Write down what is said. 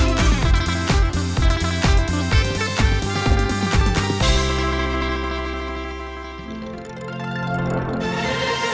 โปรดติดตามตอนต่อไป